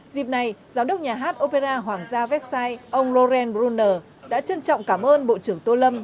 dịp này giám đốc nhà hát opera hoàng gia vexai ông lauren brunner đã trân trọng cảm ơn bộ trưởng tô lâm